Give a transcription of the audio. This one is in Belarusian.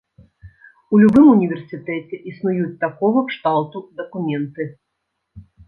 У любым універсітэце існуюць такога кшталту дакументы.